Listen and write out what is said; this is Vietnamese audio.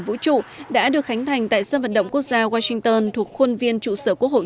vũ trụ đã được khánh thành tại sân vận động quốc gia washington thuộc khuôn viên trụ sở quốc hội